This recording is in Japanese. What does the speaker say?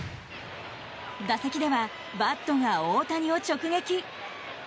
打席ではバットが大谷を直撃。